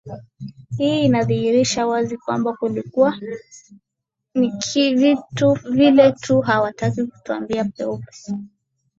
hii inadhihirisha wazi kwamba kulikuwa ni vile tu hawataki kutuambia peupe